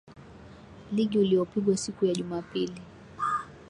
ligi uliopigwa siku ya jumapili